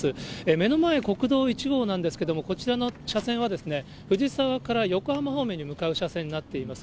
目の前、国道１号なんですけれども、こちらの車線は藤沢から横浜方面に向かう車線になっています。